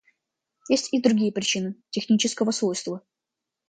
Есть и другие причины − технического свойства.